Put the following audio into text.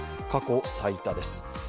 過去最多です。